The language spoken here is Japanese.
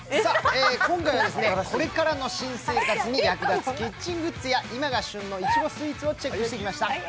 今回はこれからの新生活に役立つキッチングッズや今が旬のいちごスイーチをチェックしてきました。